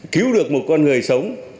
cứu được một con người sống